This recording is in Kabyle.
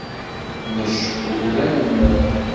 Nec uhu d anelmad.